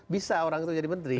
bisa orang itu jadi menteri